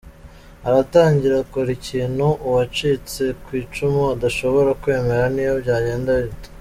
Aratangira akora ikintu uwacitse ku icumu adashobora kwemera n’iyo byagenda bite.